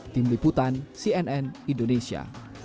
tim liputan cnn indonesia